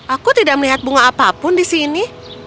aku tidak melihat bunga apapun di sini